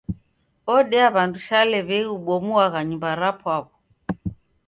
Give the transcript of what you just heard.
Odea w'andu shale w'ei ubomuagha nyumba rapwaw'o.